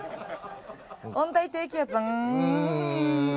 温帯低気圧。